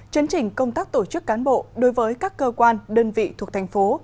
chấn chỉnh công tác tổ chức cán bộ đối với các cơ quan đơn vị thuộc thành phố